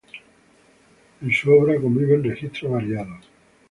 En su obra conviven registros variados.